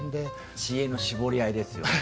知恵の絞り合いですね。